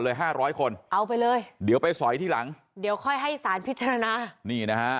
เลยห้าร้อยคนเอาไปเลยเดี่ยวไปซอยเดียวค่อยให้สารพิจารณานี่นะฮะ